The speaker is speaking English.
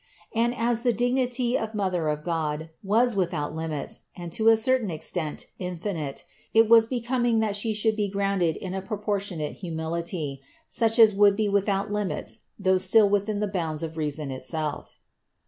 And as the dignity of Mother of God was without limits and to a certain extent infinite, it was becoming that She should be grounded in a proportionate humility, such as would be without limits though still within the bounds of reason itself.